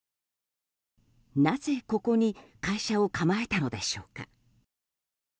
なぜ、ここに会社を構えたのでしょうか。